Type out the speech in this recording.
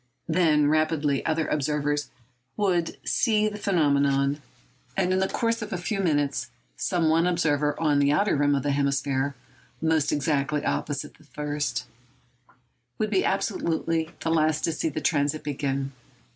Then rapidly other observers would see the phenomenon; and in the course of a few minutes some one observer on the outer rim of the hemisphere—almost exactly opposite the first—would be absolutely the last to see the transit begin.